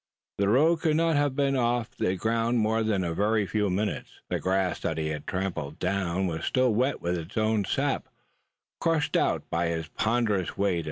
The rogue could not have been off the ground more than a very few minutes: the grass that he had trampled down was still wet with its own sap, crushed out by his ponderous weight.